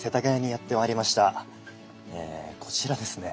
こちらですね